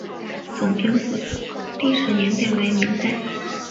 总兵府的历史年代为明代。